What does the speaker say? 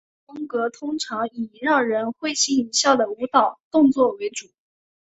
舞蹈风格通常以让人会心一笑的舞蹈动作为主。